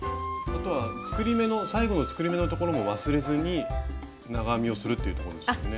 あとは最後の作り目のところも忘れずに長編みをするっていうところですよね。